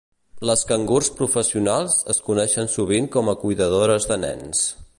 Les cangurs professionals es coneixen sovint com a cuidadores de nens